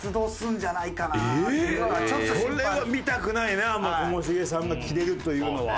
それは見たくないねあんまともしげさんがキレるというのは。